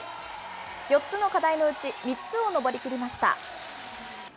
４つの課題のうち３つを登り切りました。